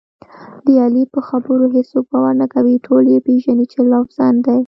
د علي په خبرو هېڅوک باور نه کوي، ټول یې پېژني چې لافزن دی.